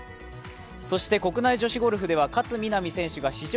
そして国内女子ゴルフでは勝みなみ選手が史上